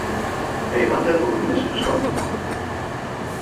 Hij had het over misverstanden.